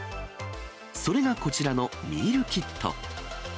それがこちらのミールキット。